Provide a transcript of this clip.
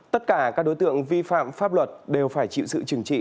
tất cả các đối tượng vi phạm pháp luật đều phải chịu sự trừng trị